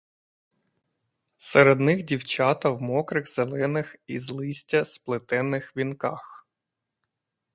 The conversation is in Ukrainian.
Серед них дівчата в мокрих, зелених, із листя сплетених вінках.